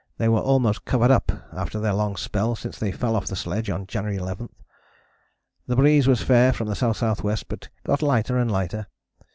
They were almost covered up after their long spell since they fell off the sledge [on January 11]. The breeze was fair from the S.S.W. but got lighter and lighter.